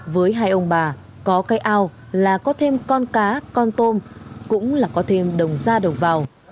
với hai ông bà có cây ao là có thêm con cá con tôm cũng là có thêm đồng gia đồng vào